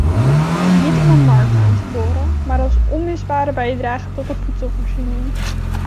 Niet om een markt aan te boren, maar als onmisbare bijdrage tot de voedselvoorziening.